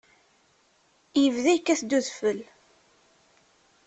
Yebda yekkat-d udfel.